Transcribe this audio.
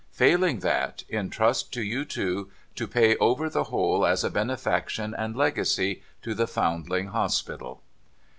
Failing that, in trust to you two to pay over the whole as a benefaction and legacy to the Foundling Hospital.'